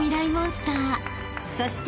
［そして］